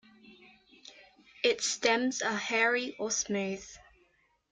Its stems are hairy or smooth.